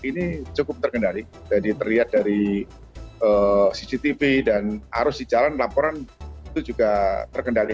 kalau untuk di jawa ini cukup terkendali jadi terlihat dari cctv dan arus di jalan laporan itu juga terkendali